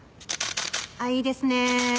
あっいいですね。